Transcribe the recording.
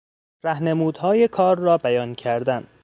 رهنمودهای کار را بیان کردن